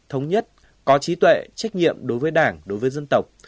thống nhất có trí tuệ trách nhiệm đối với đảng đối với dân tộc